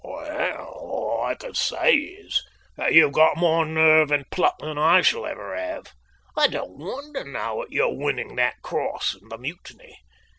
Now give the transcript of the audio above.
"Well, all I can say is, that you've got more nerve and pluck than I shall ever have. I don't wonder now at your winning that Cross in the Mutiny.